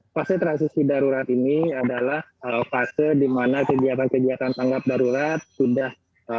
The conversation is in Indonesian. fase transisi darurat ini adalah fase di mana kegiatan kegiatan tanggap darurat sudah